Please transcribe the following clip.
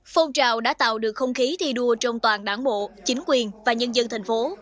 phong trào đã tạo được không khí thi đua trong toàn đảng bộ chính quyền và nhân dân thành phố